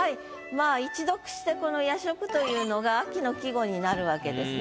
まあ一読してこの「夜食」というのが秋の季語になるわけですね。